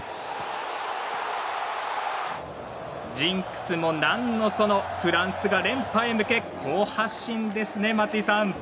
ジンクスも何のそのフランスが連覇へ向け好発進ですね、松井さん。